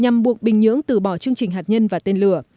nhằm buộc bình nhưỡng từ bỏ chương trình hạt nhân và tên lửa